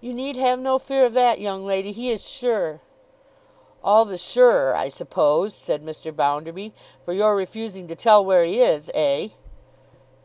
'You need have no fear of that, young lady. He is sure!' 'All the surer, I suppose,' said Mr. Bounderby, 'for your refusing to tell where he is? Eh?